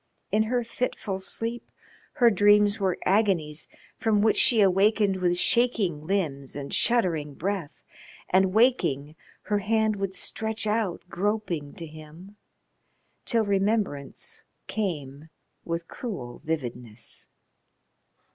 In her fitful sleep her dreams were agonies from which she awakened with shaking limbs and shuddering breath, and waking, her hand would stretch out groping to him till remembrance came with cruel vividness.